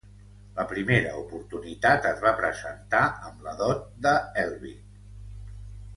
La primera oportunitat es va presentar amb la dot de Helvig.